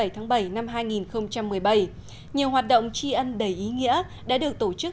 hai mươi bảy tháng bảy năm hai nghìn một mươi bảy nhiều hoạt động tri ân đầy ý nghĩa đã được tổ chức